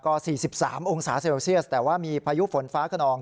ก็สี่สิบสามองศาเซลเซียสแต่ว่ามีพายุฝนฟ้าขนอง